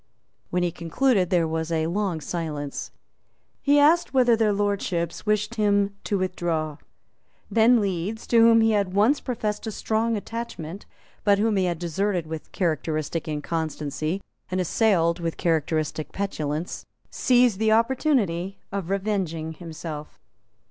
When he concluded there was a long silence. He asked whether their Lordships wished him to withdraw. Then Leeds, to whom he had once professed a strong attachment, but whom he had deserted with characteristic inconstancy and assailed with characteristic petulance, seized the opportunity of revenging himself.